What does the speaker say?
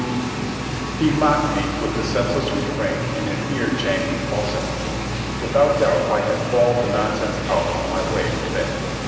'" He mocked me with the senseless refrain in an ear jangling falsetto. Without doubt I had bawled the nonsense out on my way to bed.